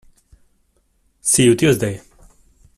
See you Tuesday!